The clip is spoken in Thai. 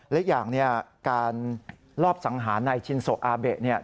และอีกอย่างการลอบสังหารในจินโสอาเบะ